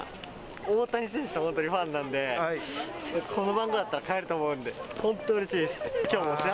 大谷選手の本当ファンなんで、この番号だったら買えると思うんで、本当にうれしいです。